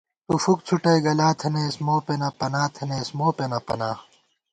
تُو فُک څھُٹَئ گلا تھنَئیس، موپېنہ پنا تھنَئیس تُو مو پېنہ پنا